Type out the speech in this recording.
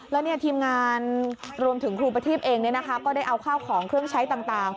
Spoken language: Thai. แล้วเนี่ยทีมงานรวมถึงครูประทีพเองเนี่ยนะคะก็ได้เอาเข้าของเครื่องใช้ต่างต่าง